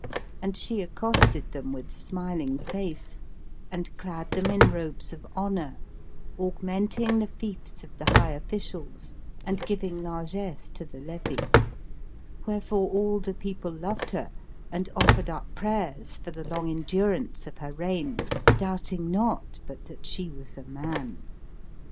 And she accosted them with smiling face and clad them in robes of honour, augmenting the fiefs of the high officials and giving largesse to the levies; wherefore all the people loved her and offered up prayers for the long endurance of her reign, doubting not but that she was a man.